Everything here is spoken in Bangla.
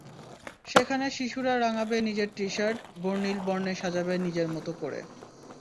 সেখানে শিশুরা রাঙাবে নিজের টি-শার্ট, বর্ণিল বর্ণে সাজাবে নিজের মতো করে।